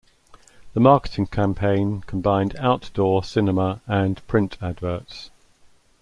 The marketing campaign combined outdoor, cinema, and print adverts.